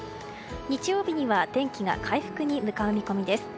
日曜日には天気が回復に向かう見込みです。